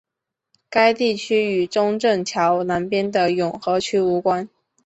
该地区与中正桥南边的永和区无关。